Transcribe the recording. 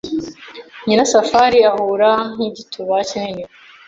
Nyirasafari ahura nkigituba kinini.